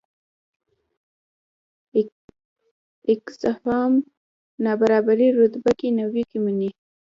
اکسفام نابرابرۍ رتبه کې نیوکې مني.